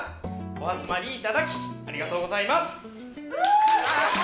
お集まり頂きありがとうございます。